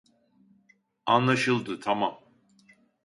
Anlaşıldı tamam